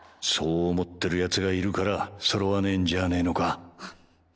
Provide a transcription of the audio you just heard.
そう思ってるヤツがいるからそろわねえんじゃねぇのか？